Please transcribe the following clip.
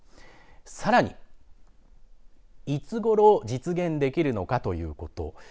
さらにいつごろ実現できるのかということ。